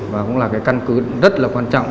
và cũng là căn cứ rất quan trọng